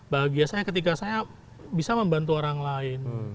bahagia saya ketika saya bisa membantu orang lain